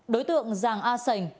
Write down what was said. đối tượng giàng a sành